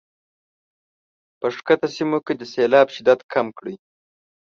په ښکته سیمو کې د سیلاب شدت کم کړي.